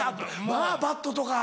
まぁバットとか。